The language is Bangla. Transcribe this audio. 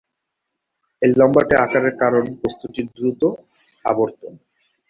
এই লম্বাটে আকারের কারণ বস্তুটির দ্রুত আবর্তন।